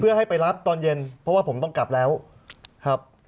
เพื่อให้ไปรับตอนเย็นเพราะว่าผมต้องกลับแล้วครับ